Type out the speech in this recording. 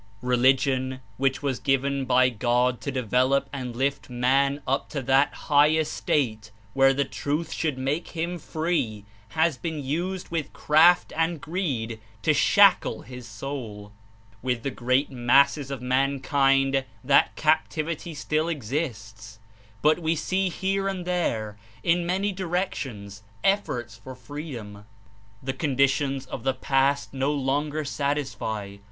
Religion, which was given by God to develop and lift man up to that high estate where the Truth should make him free, has been used with craft and greed to shackle his soul. With the great masses of mankind that captivity still exists, but we see here and there, in many directions, efforts for freedom. The conditions of the past no longer satisfy.